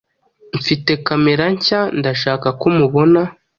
Mfite kamera nshya ndashaka ko mubona.